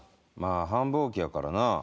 まあ繁忙期やからな。